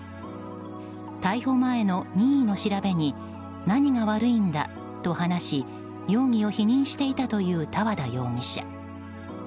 逮捕前の任意の調べに何が悪いんだと話し容疑を否認していたという多和田容疑者。